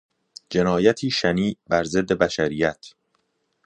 جنایتی شنیع بر ضد بشریت